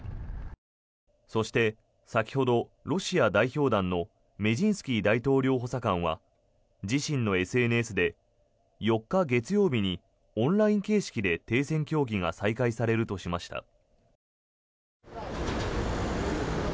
そして、先ほどロシア代表団のメジンスキー大統領補佐官は自身のＳＮＳで４日、月曜日にオンライン形式で停戦協議が再開されるとしました。